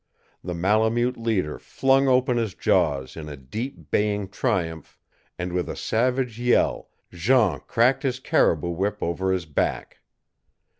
The Malemute leader flung open his jaws in a deep baying triumph, and with a savage yell Jean cracked his caribou whip over his back.